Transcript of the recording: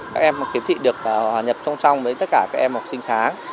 các em khiếm thị được hòa nhập song song với tất cả các em học sinh sáng